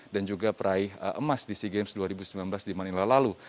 dan juga meraih emas di sea games dua ribu sembilan belas di manila lalu